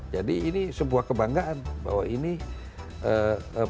jadi ini sebuah kebanggaan bahwa ini produk mobil